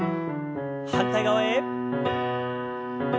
反対側へ。